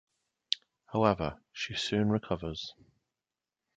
However, she soon recovers.